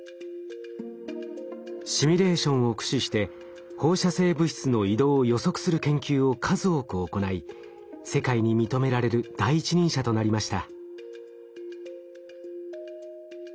シミュレーションを駆使して放射性物質の移動を予測する研究を数多く行い世界に認められる第一人者となりました。